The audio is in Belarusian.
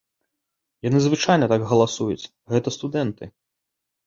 Яны звычайна так галасуюць, гэта студэнты.